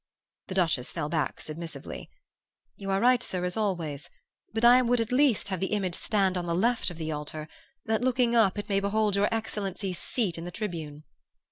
"The Duchess fell back submissively. 'You are right, sir, as always; but I would at least have the image stand on the left of the altar, that, looking up, it may behold your excellency's seat in the tribune.